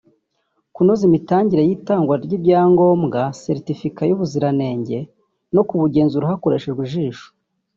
kunoza imitangire y’itangwa ry’ibyangombwa (Certificat) by’ubuziranenge no kubugenzura hakoreshejwe ijisho